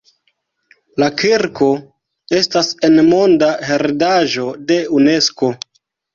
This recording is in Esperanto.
La kirko estas en Monda heredaĵo de Unesko.